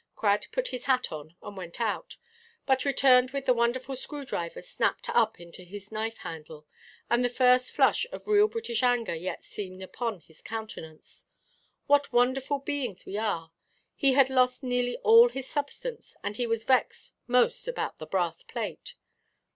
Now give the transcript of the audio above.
Crad put his hat on and went out, but returned with the wonderful screw–driver snapped up into his knife–handle, and the first flush of real British anger yet seen upon his countenance. What wonderful beings we are! He had lost nearly all his substance, and he was vexed most about the brass–plate.